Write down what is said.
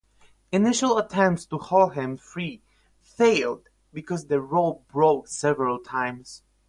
Initial attempts to haul him free failed because the rope broke several times.